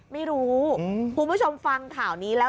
ไม่รู้คุณผู้ชมฟังข่าวนี้แล้ว